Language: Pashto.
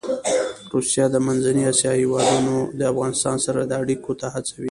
روسیه د منځنۍ اسیا هېوادونه د افغانستان سره اړيکو ته هڅوي.